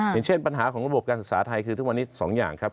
อย่างเช่นปัญหาของระบบการศึกษาไทยคือทุกวันนี้๒อย่างครับ